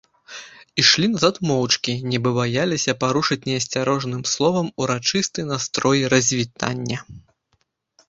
Ішлі назад моўчкі, нібы баяліся парушыць неасцярожным словам урачысты настрой развітання.